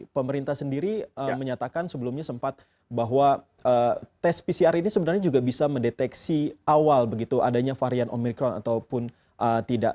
pemerintah sendiri menyatakan sebelumnya sempat bahwa tes pcr ini sebenarnya juga bisa mendeteksi awal begitu adanya varian omikron ataupun tidak